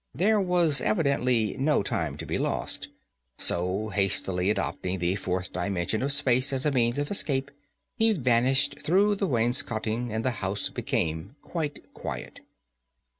There was evidently no time to be lost, so, hastily adopting the Fourth dimension of Space as a means of escape, he vanished through the wainscoting, and the house became quite quiet.